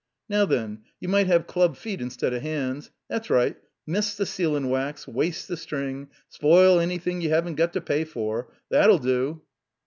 *'Now then! You might have dub feet instead of hands. Tha's right — mess the sealin' wax, waste the string, spoil anything you haven't got to pay for. That 'U do."